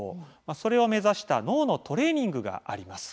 それを目指した脳のトレーニングがあります。